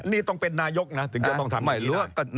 นี่ต้องเป็นนายกนะถึงต้องทำอย่างนี้นะ